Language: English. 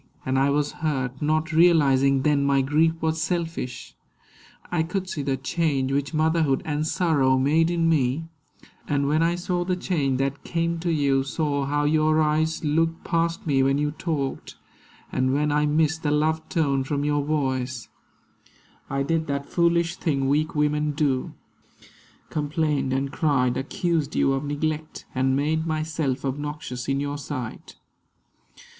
And I was hurt, not realising then My grief was selfish. I could see the change Which motherhood and sorrow made in me; And when I saw the change that came to you, Saw how your eyes looked past me when you talked, And when I missed the love tone from your voice, I did that foolish thing weak women do, Complained and cried, accused you of neglect, And made myself obnoxious in your sight.